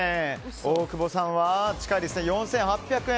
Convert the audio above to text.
大久保さんは近いですね、４８００円。